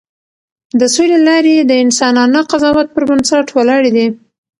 د سولې لارې د انسانانه قضاوت پر بنسټ ولاړې دي.